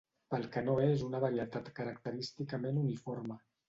Pel que no és una varietat característicament uniforme.